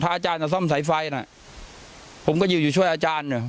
พระอาจารย์จะซ่อมสายไฟน่ะผมก็อยู่ช่วยอาจารย์เนี่ย